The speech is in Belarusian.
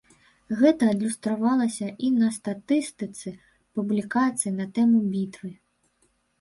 Гэта адлюстравалася і на статыстыцы публікацый на тэму бітвы.